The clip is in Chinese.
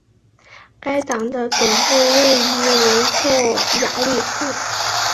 该党的总部位于雷克雅未克。